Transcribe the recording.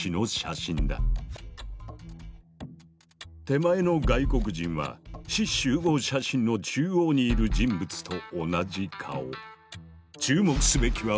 手前の外国人は志士集合写真の中央にいる人物と同じ顔。